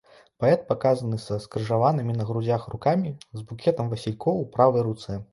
Паэт паказаны са скрыжаванымі на грудзях рукамі, з букетам васількоў у правай руцэ.